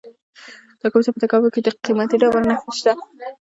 د کاپیسا په تګاب کې د قیمتي ډبرو نښې دي.